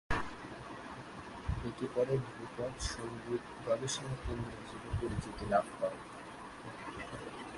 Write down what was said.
এটি পরে ধ্রুপদ সঙ্গীত গবেষণা কেন্দ্র হিসেবে পরিচিত লাভ করে।